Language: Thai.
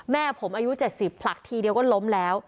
แม่ผมอายุ๗๐ผลักทีเดียวก็ล้มแล้ว